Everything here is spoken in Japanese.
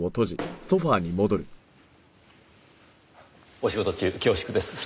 お仕事中恐縮です。